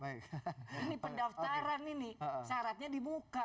ini pendaftaran ini syaratnya di muka